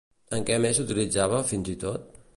En què més s'utilitzava, fins i tot?